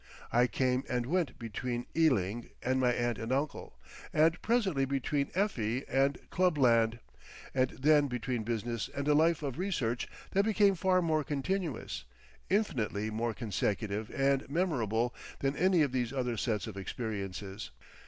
I came and went between Ealing and my aunt and uncle, and presently between Effie and clubland, and then between business and a life of research that became far more continuous, infinitely more consecutive and memorable than any of these other sets of experiences.